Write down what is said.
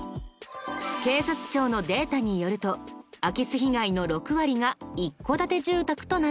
警察庁のデータによると空き巣被害の６割が一戸建て住宅となっています。